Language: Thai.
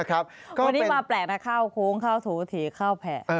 วันนี้มาแปลกนะข้าวโค้งข้าวถูถีข้าวแผ่